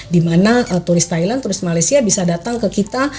dimana turis thailand turis malaysia bisa datang ke kita